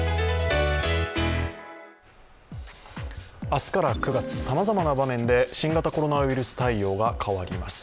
明日から９月、さまざまな場面で新型コロナウイルス対応が変わります。